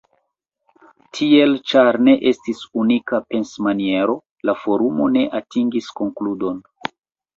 Tiel, ĉar ne estis “unika pensmaniero, la forumo ne atingis konkludon.